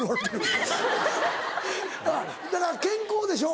だから健康でしょ。